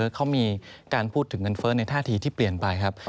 ก็มีการพูดถึงเงินเฟ้อในทัศน์ที่เปลี่ยนไป